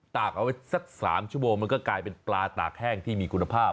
ตากเอาไว้สัก๓ชั่วโมงมันก็กลายเป็นปลาตากแห้งที่มีคุณภาพ